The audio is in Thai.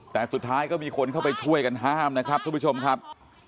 แต่สุดท้ายก็มีคนเข้าไปช่วยกันห้ามนะครับทุกผู้ชมครับ